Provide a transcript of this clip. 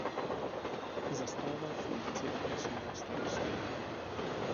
Zastával funkci okresního starosty.